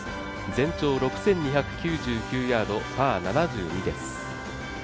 全長６２９９ヤード、パー７２です。